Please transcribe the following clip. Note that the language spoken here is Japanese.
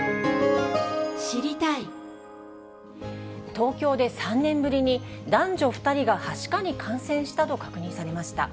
東京で３年ぶりに、男女２人がはしかに感染したと確認されました。